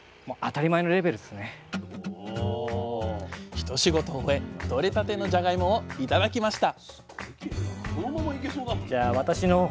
一仕事終え取れたてのじゃがいもを頂きました！